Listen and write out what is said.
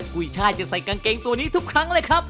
กุ้ยช่ายจะใส่กางเกงตัวนี้ทุกครั้งเลยครับ